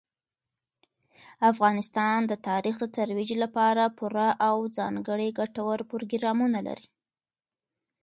افغانستان د تاریخ د ترویج لپاره پوره او ځانګړي ګټور پروګرامونه لري.